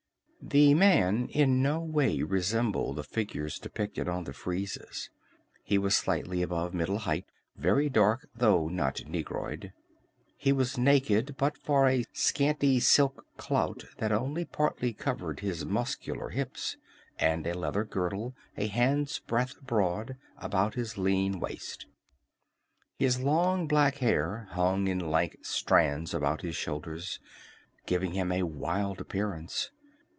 The man in no way resembled the figures depicted on the friezes. He was slightly above middle height, very dark, though not negroid. He was naked but for a scanty silk clout that only partly covered his muscular hips, and a leather girdle, a hand's breadth broad, about his lean waist. His long black hair hung in lank strands about his shoulders, giving him a wild appearance.